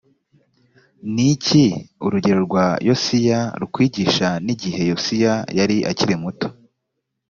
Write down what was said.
ni iki urugero rwa yosiya rukwigisha n igihe yosiya yari akiri muto